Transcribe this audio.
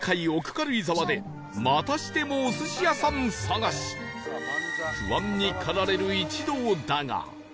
軽井沢でまたしてもお寿司屋さん探し不安に駆られる一同だが